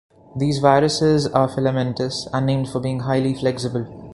These viruses are filamentous and named for being highly flexible.